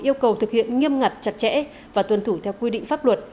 yêu cầu thực hiện nghiêm ngặt chặt chẽ và tuân thủ theo quy định pháp luật